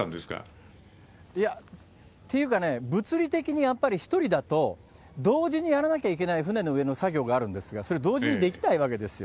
いや、っていうかね、物理的にやっぱり１人だと、同時にやらなきゃいけない船の上の作業があるんですが、それ同時にできないわけですよ。